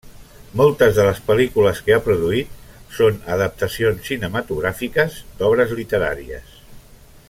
Moltes de les pel·lícules que ha produït són adaptacions cinematogràfiques d'obres literàries.